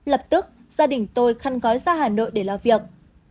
lập tức gia đình tôi khăn gói ra hà nội để làm việc